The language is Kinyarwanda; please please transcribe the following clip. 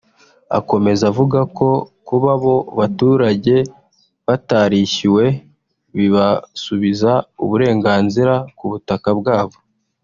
Akomeza avuga ko kuba abo baturage batarishyuwe bibasubiza uburenganzira ku butaka bwa bo